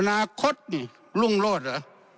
อนาคตดิรุ่งโลศเหรอ